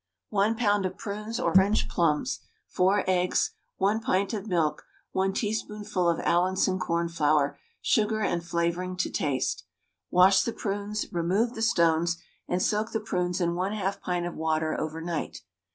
1 lb. of prunes or French plums, 4 eggs, 1 pint of milk, 1 teaspoonful of Allinson cornflour, sugar and flavouring to taste. Wash the prunes, remove the stones, and soak the prunes in 1/2 pint of water over night.